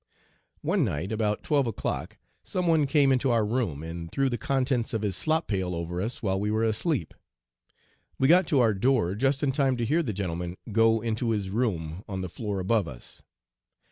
"One night about twelve o'clock some one came into our room, and threw the contents of his slop pail over us while we were asleep. We got to our door just in time to hear the 'gentleman' go into his room on the floor above us.